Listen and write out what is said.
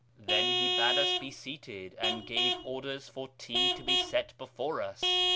Then he bade us be seated, and gave orders for tea to be set before us.